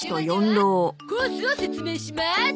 コースを説明します！